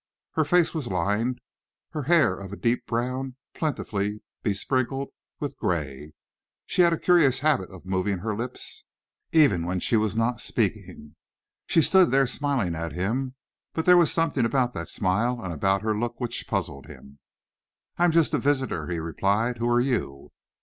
Her face was lined, her hair of a deep brown plentifully besprinkled with grey. She had a curious habit of moving her lips, even when she was not speaking. She stood there smiling at him, but there was something about that smile and about her look which puzzled him. "I am just a visitor," he replied. "Who are you?"